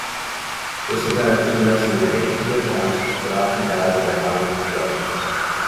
This event is mentioned in ancient accounts but often doubted by modern historians.